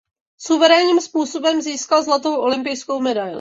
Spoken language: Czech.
Suverénním způsobem získal zlatou olympijskou medaili.